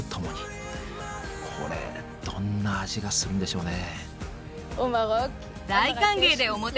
これどんな味がするんでしょうね。